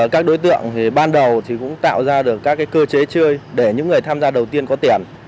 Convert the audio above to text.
các đối tượng thì ban đầu cũng tạo ra được các cơ chế chơi để những người tham gia đầu tiên có tiền